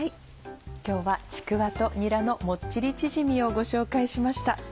今日は「ちくわとにらのもっちりチヂミ」をご紹介しました。